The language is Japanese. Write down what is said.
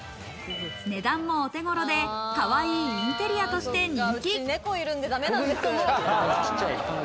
値段もお手頃でかわいいインテリアとして人気。